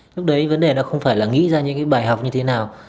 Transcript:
lúc đấy vấn đề nó không phải là nghĩ ra những cái bài học như thế nào